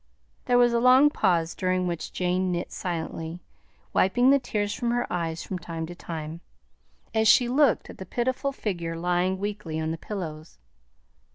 There was a long pause, during which Jane knit silently, wiping the tears from her eyes from time to time, as she looked at the pitiful figure lying weakly on the pillows.